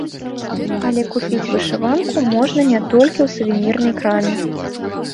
Але купіць вышыванку можна не толькі ў сувенірнай краме.